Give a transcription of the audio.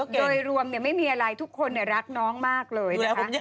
โดยรวมเนี่ยไม่มีอะไรทุกคนเนี่ยรักน้องมากเลยนะคะ